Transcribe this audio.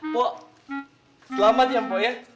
pok selamat ya pok ya